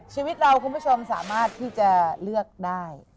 ชีวิตเราคุณผู้ชมสามารถที่จะเลือกได้